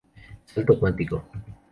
Salto cuántico